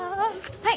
はい。